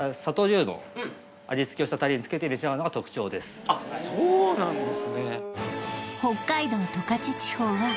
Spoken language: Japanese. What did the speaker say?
ニオイそうなんですね